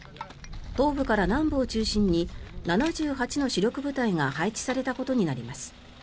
東部から南部を中心に７８の主力部隊が配置されたことになります。